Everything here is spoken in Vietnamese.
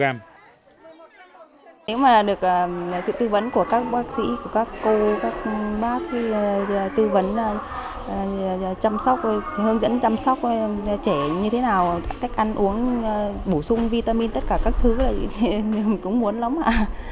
nếu mà được sự tư vấn của các bác sĩ của các cô các bác tư vấn chăm sóc hướng dẫn chăm sóc trẻ như thế nào cách ăn uống bổ sung vitamin tất cả các thứ cũng muốn lắm ạ